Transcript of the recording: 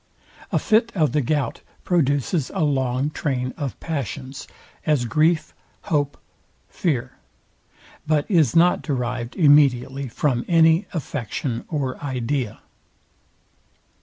A fit of the gout produces a long train of passions, as grief, hope, fear; but is not derived immediately from any affection or idea.